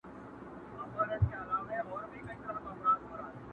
د غوجلي صحنه خالي پاته کيږي او چوپتيا خپرېږي.